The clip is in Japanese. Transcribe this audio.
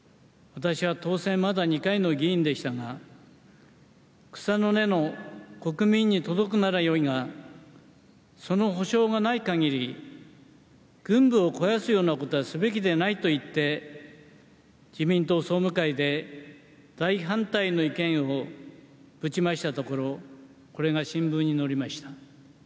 私は当選まだ２回の議員でしたが草の根の国民に届くならよいがその保証がない限り軍部を肥やすようなことはすべきではないといって自民党総務会で大反対の意見を打ちましたところこれが新聞に載りました。